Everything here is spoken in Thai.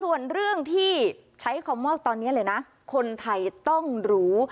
ส่วนเรื่องที่ใช้คอมมอลตอนนี้เลยนะคนไทยต้องรู้